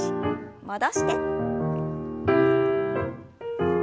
戻して。